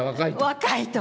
若いと。